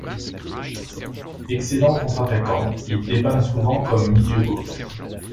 Excellent contre-attaquant, il dépanne souvent comme milieu gauche.